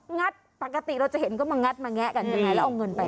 ัดปกติเราจะเห็นก็มางัดมาแงะกันยังไงแล้วเอาเงินไป